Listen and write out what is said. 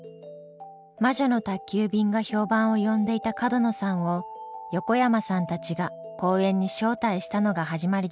「魔女の宅急便」が評判を呼んでいた角野さんを横山さんたちが講演に招待したのが始まりでした。